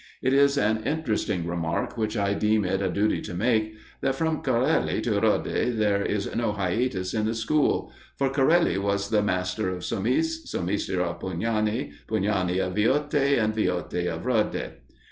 It is an interesting remark, which I deem it a duty to make, that from Corelli to Rode there is no hiatus in the school for Corelli was the master of Somis, Somis of Pugnani, Pugnani of Viotti, and Viotti of Rode.